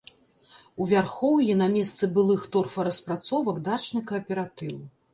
У вярхоўі на месцы былых торфараспрацовак дачны кааператыў.